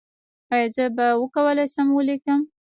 ایا زه به وکولی شم ولیکم؟